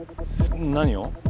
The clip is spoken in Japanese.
何を？